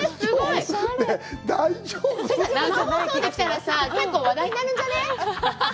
生放送で着たら、結構話題になるんじゃね？